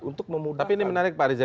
untuk tapi ini menarik pak riza